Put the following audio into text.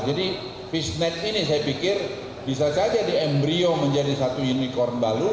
jadi fissionet ini saya pikir bisa saja di embryo menjadi satu unicorn baru